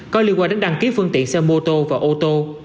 có liên quan đến đăng ký phương tiện xe mô tô và ô tô